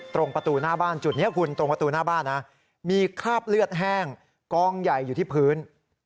ตรงประตูหน้าบ้านจุดนี้คุณตรงประตูหน้าบ้านนะมีคราบเลือดแห้งกองใหญ่อยู่ที่พื้น